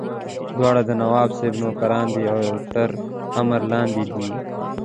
دواړه د نواب صاحب نوکران دي او تر امر لاندې دي.